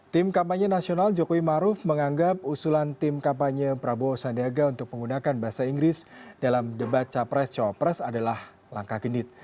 tim kampanye nasional jokowi maruf menganggap usulan tim kampanye prabowo sandiaga untuk menggunakan bahasa inggris dalam debat capres cawapres adalah langkah genit